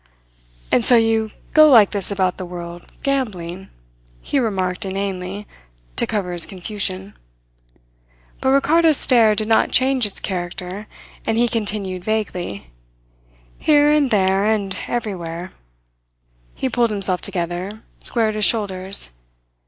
"And so you go like this about the world, gambling," he remarked inanely, to cover his confusion. But Ricardo's stare did not change its character, and he continued vaguely: "Here and there and everywhere." He pulled himself together, squared his shoulders.